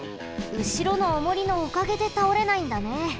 うしろのおもりのおかげでたおれないんだね。